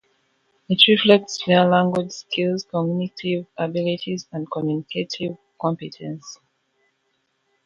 It reflects their language skills, cognitive abilities, and communicative competence.